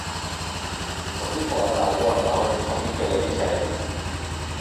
Ordukoa da alboan dagoen San Mikel eliza ere.